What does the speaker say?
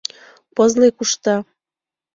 Пызле кушта